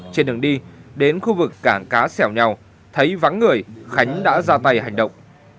trên đường đi đến khu vực cảng cá sẻo nhèo thấy vắng người khánh đã ra tay hành động